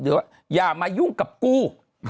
เดี๋ยวว่าอย่ามายุ่งกับกู